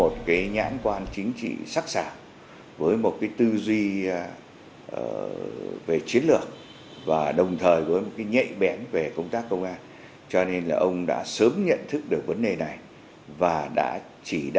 trật tự an toàn xã hội